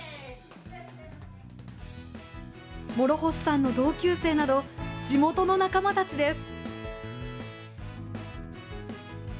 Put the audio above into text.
諸星さんの同級生など地元の仲間たちです。